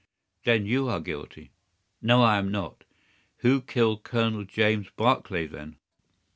"Then you are guilty." "No, I am not." "Who killed Colonel James Barclay, then?"